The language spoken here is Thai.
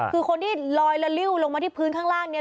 คือคนที่ลอยละลิ้วลงมาที่พื้นข้างล่างเนี่ย